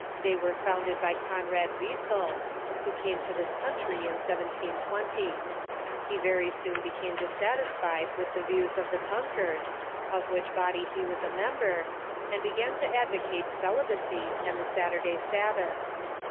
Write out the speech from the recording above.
They were founded by Conrad Beissel, who The German came to this country in 1720. He very soon became Seventh Day dissatisfied with the views of the Tunkers, of which ^'''l)ody he Avas a member, and began to advocate celi bacy and the Saturday Sabbath.